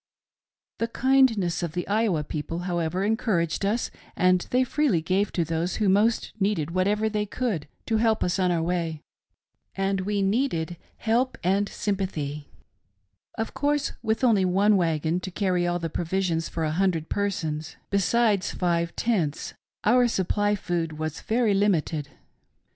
The kindness of the Iowa people, however, encouraged us, and they freely gave to those who most needed whatever they could to help us on our way. ^ j " And we needed help and sympathy. " Of course, with only one wagon to carry all the provision* for a hundred persons, besides five tents, our suppiy of food was very limited.